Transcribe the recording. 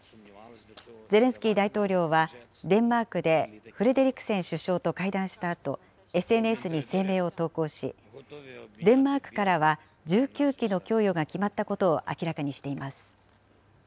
ゼレンスキー大統領はデンマークでフレデリクセン首相と会談したあと、ＳＮＳに声明を投稿し、デンマークからは１９機の供与が決まったことを明らかにしています。